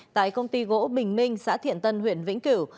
tại công ty gỗ bình minh xã thiện tân huyện vĩnh cửu